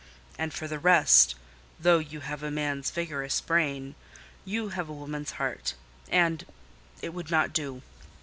And for the rest, though you have a man's vigorous brain, you have a woman's heart and—it would not do."